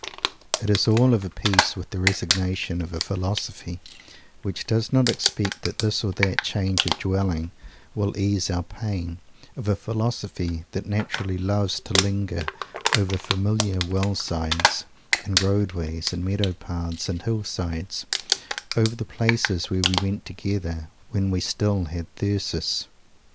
It is all of a piece with the "resignation" of a philosophy which does not expect that this or that change of dwelling will ease our pain; of a philosophy that naturally loves to linger over familiar well sides and roadways and meadow paths and hillsides, over the places where we went together, when we "still had Thyrsis."